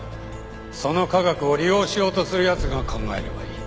その科学を利用しようとする奴が考えればいい。